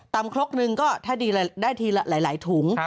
ครกหนึ่งก็ถ้าดีได้ทีหลายถุง